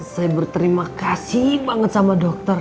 saya berterima kasih banget sama dokter